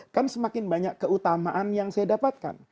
kan semakin banyak keutamaan yang saya dapatkan